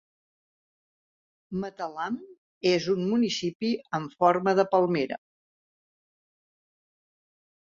Matalam és un municipi en forma de palmera.